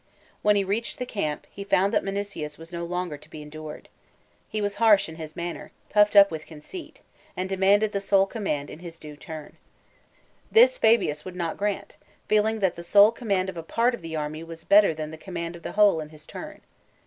When he reached the camp, he found that Minucius was no longer to be endured. He was harsh in his manner, puffed up with conceit, and demanded the sole command in his due turn. This Fabius would not grant, feeling that the sole command of a part of the army was better than the command of the whole in his turn.